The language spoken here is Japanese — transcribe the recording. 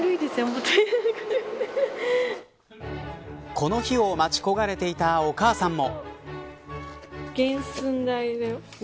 この日を待ち焦がれていたお母さんも。